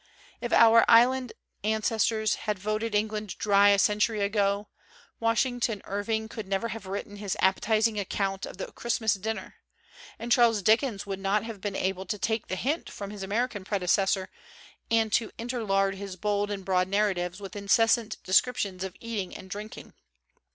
If our island an cestors had voted England dry a century ago, Washington Irving could never have written his appetizing account of the Christmas dinner; and Charles Dickens would not have been able to take the hint from his American predecessor, and to interlard his bold and broad narratives with incessant descriptions of eating and drink ing.